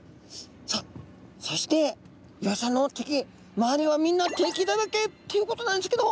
さあそしてイワシちゃんの敵周りはみんな敵だらけっていうことなんですけど。